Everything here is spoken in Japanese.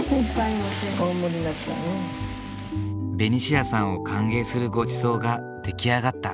ベニシアさんを歓迎するごちそうが出来上がった。